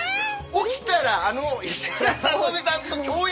起きたらあの石原さとみさんと共演？